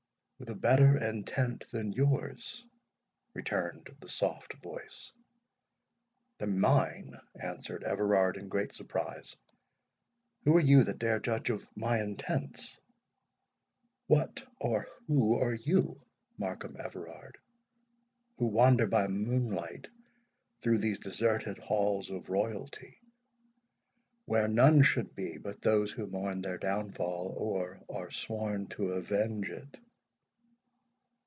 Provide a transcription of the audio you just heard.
"With a better intent than yours," returned the soft voice. "Than mine!" answered Everard in great surprise. "Who are you that dare judge of my intents?" "What, or who are you, Markham Everard, who wander by moonlight through these deserted halls of royalty, where none should be but those who mourn their downfall, or are sworn to avenge it?"